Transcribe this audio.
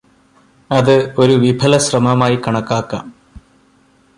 അത് ഒരു വിഫലശ്രമമായി കണക്കാക്കാം